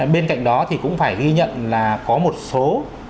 bên cạnh đó thì cũng phải ghi nhận là có một số